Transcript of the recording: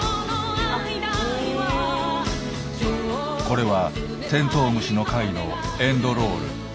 これはテントウムシの回のエンドロール。